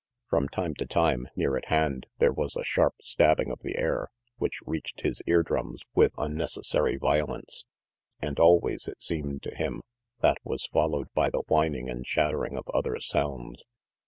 From time to time, near at hand, there was a sharp stabbing of the air which reached his ear drums with unnec essary violence, and always, it seemed to him, that was followed by the whining and shattering of other sounds.